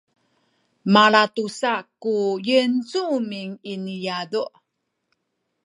malatusa ku yincumin i niyazu’